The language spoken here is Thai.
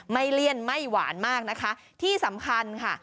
เลี่ยนไม่หวานมากนะคะที่สำคัญค่ะ